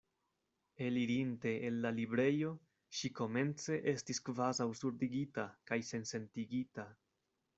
Elirinte el la librejo, ŝi komence estis kvazaŭ surdigita kaj sensentigita.